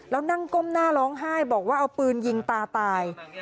แล้วนั่งก้มหน้าร้องไห้บอกว่าเอาปืนยิงตาตาย